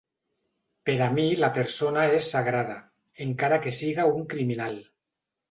Per a mi la persona és sagrada, encara que siga un criminal.